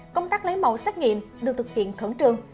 công tác lấy mẫu xét nghiệm được thực hiện khẩn trương